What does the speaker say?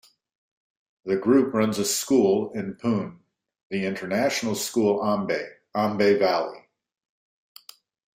The group runs a school in Pune, the International School Aamby - Aamby Valley.